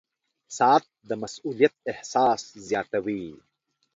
• ساعت د مسؤولیت احساس زیاتوي.